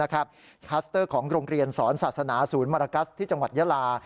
คลัสเตอร์ของโรงเรียนสอนศาสนาศูนย์มรกัสที่จังหวัดยาลา